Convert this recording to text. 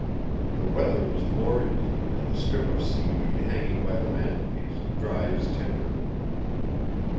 The weather was glorious, and the strip of seaweed hanging by the mantelpiece dry as tinder.